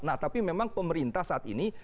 nah tapi memang pemerintah saat ini